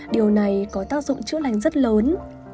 điều này có tác dụng chữa lành rất lớn